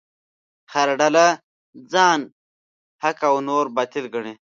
هره ډله ځان حق او نور باطل ګڼي.